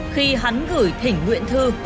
khi hắn gửi thỉnh nguyện thư